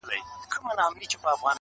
زه وايم راسه شعر به وليكو,